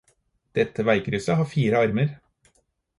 Dette veikrysset har fire armer.